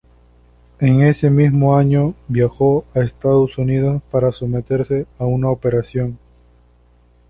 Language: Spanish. En ese mismo año, viajó a Estados Unidos para someterse a una operación.